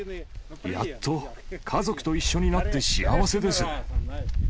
やっと家族と一緒になって幸せです。